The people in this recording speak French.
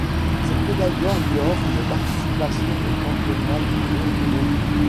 Cette médaille d'or lui offre une participation aux Championnats du monde de Londres.